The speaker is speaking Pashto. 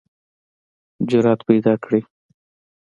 جرئت پیداکړئ